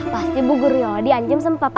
pasti ibu guru yaudah dianjem sama papa